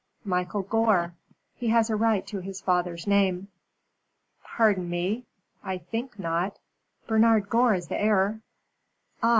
"Michael Gore. He has a right to his father's name." "Pardon me, I think not. Bernard Gore is the heir." "Ah!"